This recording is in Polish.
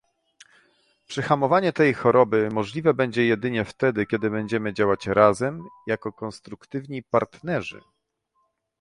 Przyhamowanie tej choroby możliwe będzie jedynie wtedy, kiedy będziemy działać razem, jako konstruktywni partnerzy